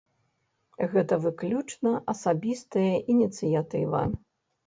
Гэта выключна асабістая ініцыятыва.